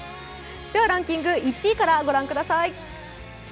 ではランキング１位からご覧ください。